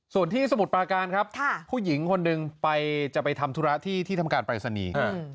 ส่วนที่สมุทรปราการครับผู้หญิงคนหนึ่งไปจะไปทำธุระที่ทำการปรายศนีย์